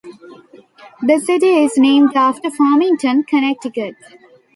The city is named after Farmington, Connecticut.